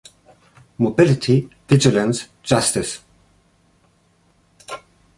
Mobility, Vigilance, Justice.